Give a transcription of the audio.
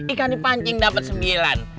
ikan dipancing dapat sembilan